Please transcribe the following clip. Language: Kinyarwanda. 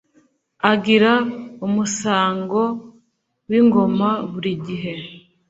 Agira umusango w’ingoma burigihe